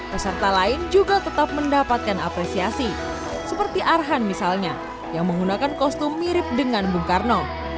peserta lain juga tetap mendapatkan apresiasi seperti arhan misalnya yang menggunakan kostum mirip dengan bung karno